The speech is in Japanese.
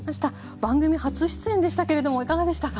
番組初出演でしたけれどもいかがでしたか？